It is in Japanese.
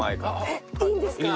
えっいいんですか？